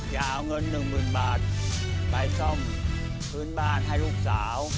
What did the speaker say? อย่าเอาเงิน๑๐๐๐๐บาทไปซ่อมพื้นบ้านให้ลูกสาว